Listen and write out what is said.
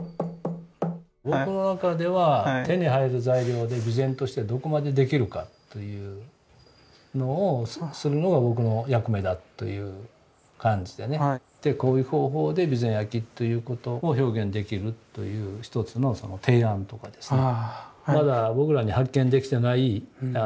僕の中では手に入る材料で備前としてどこまでできるかというのをするのが僕の役目だという感じでねこういう方法で備前焼ということを表現できるという一つの提案とかですね。